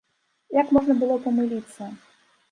Як можна было памыліцца?